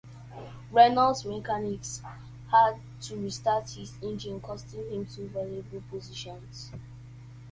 Renault mechanics had to restart his engine costing him two valuable positions.